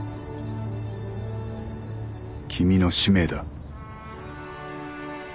君の使命だ。